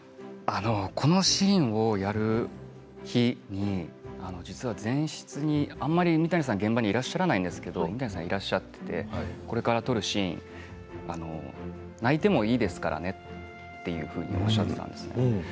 このシーンをやる日に実は、前室にあまり三谷さん現場にいらっしゃらないんですけれどもいらっしゃってこれから撮るシーン泣いてもいいですからねっておっしゃったんです。